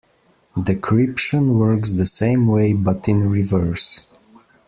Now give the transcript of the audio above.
Decryption works the same way, but in reverse.